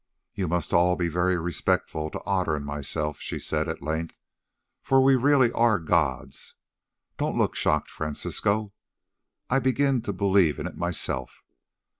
"You must all be very respectful to Otter and myself," she said at length, "for we really are gods—don't look shocked, Francisco, I begin to believe in it myself.